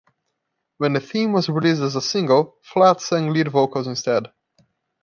When the theme was released as a single, Flatt sang lead vocals instead.